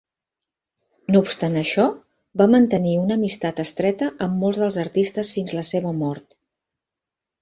No obstant això, va mantenir una amistat estreta amb molts dels artistes fins la seva mort.